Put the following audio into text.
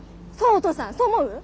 お父さんそう思う？